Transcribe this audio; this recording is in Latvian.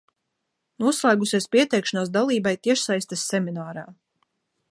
Noslēgusies pieteikšanās dalībai tiešsaistes seminārā.